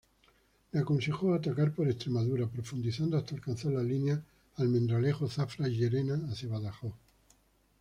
Le aconsejó atacar por Extremadura profundizando hasta alcanzar la línea Almendralejo-Zafra-Llerena hacia Badajoz.